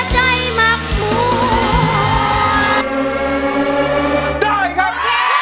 ได้ครับ